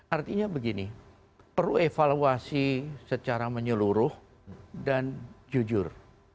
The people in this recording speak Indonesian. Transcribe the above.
artinya begini perlu evaluasi secara menyeluruh dan jujur